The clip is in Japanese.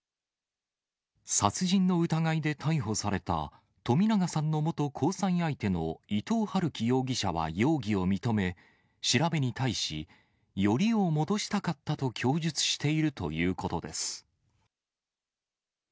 殺人の疑いで逮捕された、冨永さんの元交際相手の伊藤龍稀容疑者は容疑を認め、調べに対し、よりを戻したかったと供述しているということです。